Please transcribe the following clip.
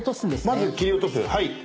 まず切り落とす。